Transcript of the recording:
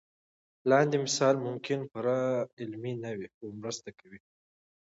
لاندې مثال ممکن پوره علمي نه وي خو مرسته کوي.